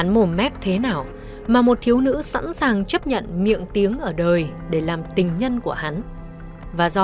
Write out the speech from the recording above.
mổ mép thế nào mà một thiếu nữ sẵn sàng chấp nhận miệng tiếng ở đời để làm tình nhân của hắn và do